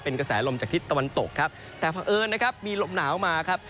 เป็นกระแสลมจากทิศตะวันตกครับแต่เพราะเอิญนะครับมีลมหนาวมาครับ